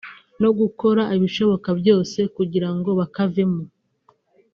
no gukora ibishoboka byose kugira ngo bakavemo